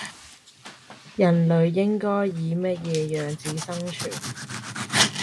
人類應該以乜嘢樣子生存